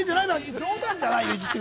冗談じゃないよ。